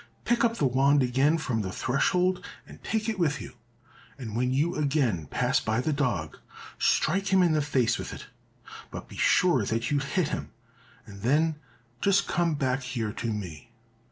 Pick up the wand again from the threshold and take it with you, and when you again pass by the dog, strike him in the face with it, but be sure that you hit him, and then just come back here to me."